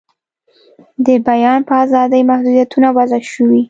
د بیان په آزادۍ محدویتونه وضع شوي.